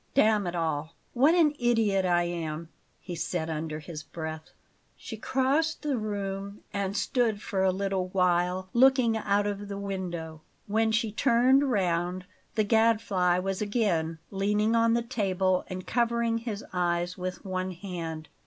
"Damn it all, what an idiot I am!" he said under his breath. She crossed the room and stood for a little while looking out of the window. When she turned round, the Gadfly was again leaning on the table and covering his eyes with one hand.